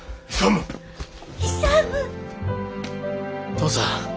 父さん。